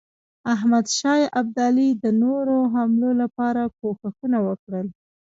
احمدشاه ابدالي د نورو حملو لپاره کوښښونه وکړل.